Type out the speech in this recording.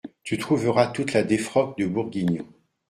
Tu trouveras toute la défroque de Bourguignon…